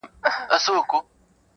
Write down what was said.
• چي هر څه مي وي آرزو ناز مي چلیږي -